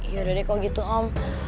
yaudah deh kok gitu om